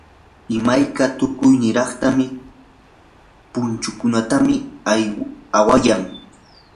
imayka tukuy niraq punchutam awaykan.